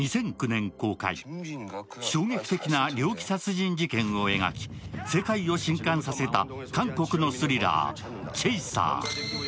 ２００９年公開、衝撃的な猟奇殺人事件を描き世界を震撼させた韓国のスリラー、「チェイサー」。